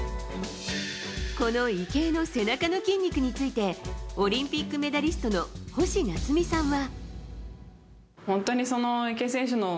この池江の背中の筋肉についてオリンピックメダリストの星奈津美さんは。